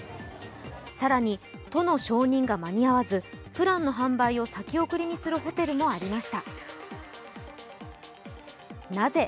更に、都の承認が間に合わず、プランの販売を先送りにするホテルもありましたなぜ